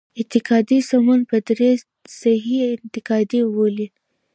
انتقادي سمون په دري تصحیح انتقادي بولي.